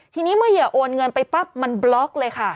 ทีนี้เมื่อเหยื่อโอนเงินไปปั๊บมันบล็อกเลยค่ะ